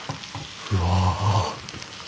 うわ。